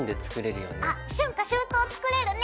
あっ春夏秋冬を作れるね。